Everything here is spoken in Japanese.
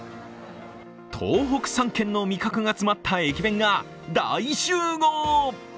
東北３県の味覚が詰まった駅弁が大集合！